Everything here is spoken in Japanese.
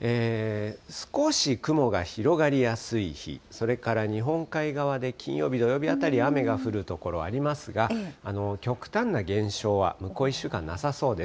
少し雲が広がりやすい日、それから日本海側で金曜日、土曜日あたり、雨が降る所ありますが、極端な現象は、向こう１週間なさそうです。